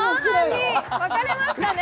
半々に分かれましたね